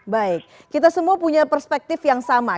baik kita semua punya perspektif yang sama